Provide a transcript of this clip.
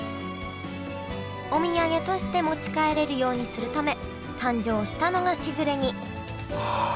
お土産として持ち帰れるようにするため誕生したのがしぐれ煮ああ。